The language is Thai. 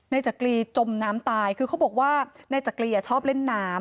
จักรีจมน้ำตายคือเขาบอกว่านายจักรีชอบเล่นน้ำ